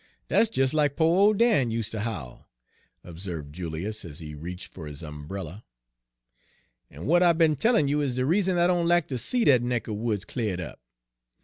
"Dat's des lack po' ole Dan useter howl," observed Julius, as he reached for his umbrella, "en w'at I be'n tellin' you is de reason I doan lack ter see dat neck er woods cl'ared up.